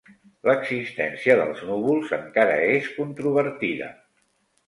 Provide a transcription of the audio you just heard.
L'existència dels núvols encara és controvertida.